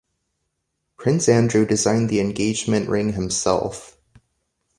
Prince Andrew designed the engagement ring himself.